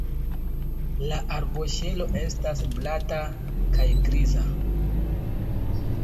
La arboŝelo estas glata kaj griza.